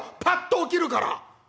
パッと起きるから」。